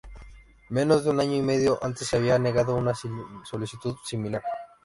Menos de un año y medio antes, se había negado una solicitud similar.